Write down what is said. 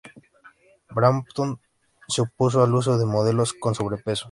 Brampton se opuso al uso de modelos con sobrepeso.